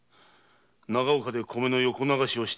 長岡で米の横流しをしていたとはな。